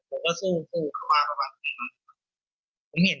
ผมก็สู้สู้ข้างล่างแล้วแบบนี้นะครับ